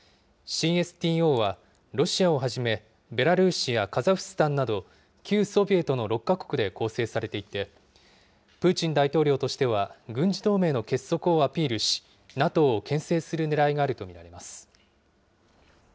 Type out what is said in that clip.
ＣＳＴＯはロシアをはじめ、ベラルーシやカザフスタンなど、旧ソビエトの６か国で構成されていて、プーチン大統領としては、軍事同盟の結束をアピールし、ＮＡＴＯをけん制するねらいがあると見られます。